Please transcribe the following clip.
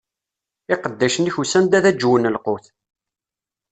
Iqeddacen-ik usan-d ad aǧwen lqut.